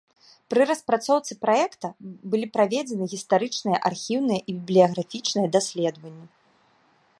Пры распрацоўцы праекта былі праведзены гістарычныя, архіўныя і бібліяграфічныя даследаванні.